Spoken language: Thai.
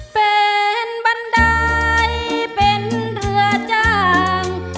เป็นบันไดเป็นเรือจ้าง